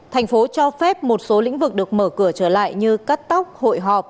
thành phố cho phép một số lĩnh vực được mở cửa trở lại như cắt tóc hội họp